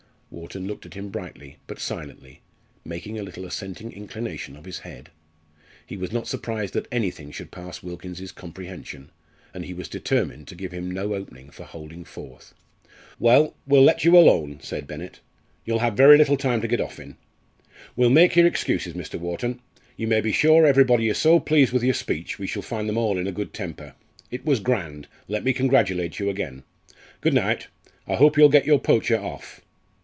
Wharton looked at him brightly, but silently, making a little assenting inclination of the head. He was not surprised that anything should pass Wilkins's comprehension, and he was determined to give him no opening for holding forth. "Well, we'll let you alone," said Bennett. "You'll have very little time to get off in. We'll make your excuses, Mr. Wharton. You may be sure everybody is so pleased with your speech we shall find them all in a good temper. It was grand! let me congratulate you again. Good night I hope you'll get your poacher off!"